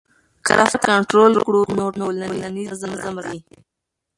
که رفتار کنټرول کړو نو ټولنیز نظم راځي.